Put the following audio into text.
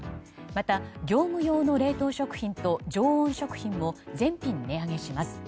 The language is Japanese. また、業務用の冷凍食品と常温食品も全品値上げします。